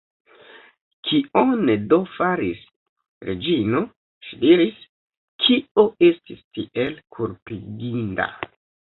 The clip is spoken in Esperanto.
Kion do faris Reĝino, ŝi diris, kio estis tiel kulpiginda?